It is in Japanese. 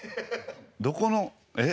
どこのえ？